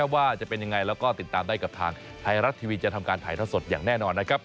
ว่าจะเป็นยังไงแล้วก็ติดตามได้กับทางไทยรัฐทีวีจะทำการถ่ายทอดสดอย่างแน่นอนนะครับ